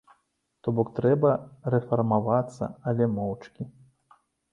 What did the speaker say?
То бок, трэба рэфармавацца, але моўчкі.